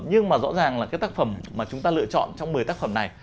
nhưng mà rõ ràng là cái tác phẩm mà chúng ta lựa chọn trong một mươi tác phẩm này